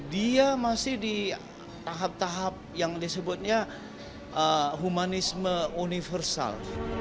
dia masih di tahap tahap yang disebutnya humanisme universal